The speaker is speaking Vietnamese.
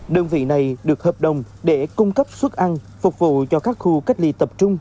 đơn vị này được hợp đồng để cung cấp suất ăn phục vụ cho các khu cách ly tập trung